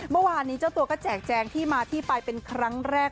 เมื่อวานนี้เจ้าตัวก็แจกแจงที่มาที่ไปเป็นครั้งแรก